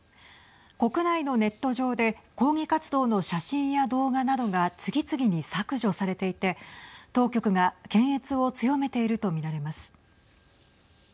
国内のネット上で抗議活動の写真や動画などが次々に削除されていて当局が検閲を強めていると見られます。